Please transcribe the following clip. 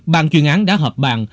bàn chuyên án đã hợp bàn